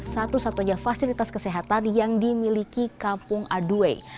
satu satunya fasilitas kesehatan yang dimiliki kampung adue